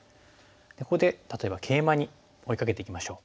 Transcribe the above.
ここで例えばケイマに追いかけていきましょう。